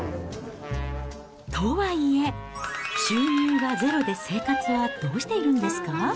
とはいえ、収入がゼロで生活はどうしているんですか？